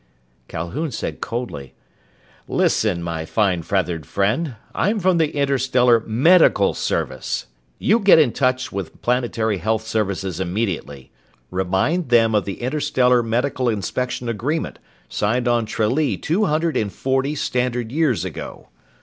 Calhoun said coldly, "Listen, my fine feathered friend! I'm from the Interstellar Medical Service. You get in touch with planetary health services immediately! Remind them of the Interstellar Medical Inspection Agreement, signed on Tralee two hundred and forty standard years ago.